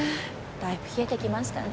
だいぶ冷えてきましたね。